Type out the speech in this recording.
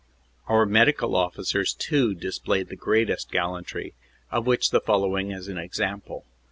Our medical officers too displayed the greatest gallantry, of which the following is an example.